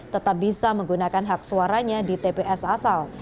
tetap bisa menggunakan hak suaranya di tps asal